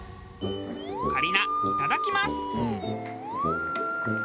オカリナいただきます。